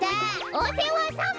おせわさま！